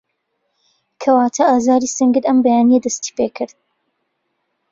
کەواته ئازاری سنگت ئەم بەیانیه دستی پێکرد